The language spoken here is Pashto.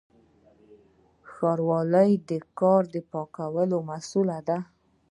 ښاروالي د ښار د پاکوالي مسووله ده